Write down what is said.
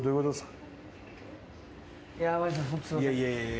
いやいやいや。